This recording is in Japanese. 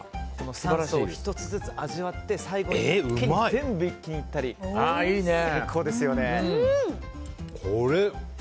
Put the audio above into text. ３層を１つずつ味わって最後に全部一気にいったら最高ですよね。